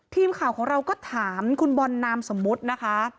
ทีมข่าวของเราก็ถามคุณบอลนามสมมุตินะคะ